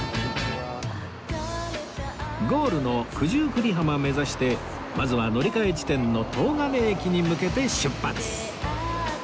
ゴールの九十九里浜目指してまずは乗り換え地点の東金駅に向けて出発